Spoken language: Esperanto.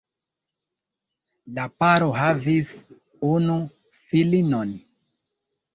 La paro havis unu filinon.